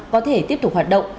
có thể tiếp tục hoạt động